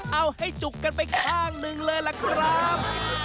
เอาให้จุกกันไปข้างหนึ่งเลยล่ะครับ